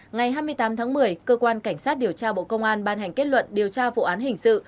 ngày hai mươi tám tháng một mươi cơ quan cảnh sát điều tra bộ công an ban hành kết luận điều tra vụ án hình sự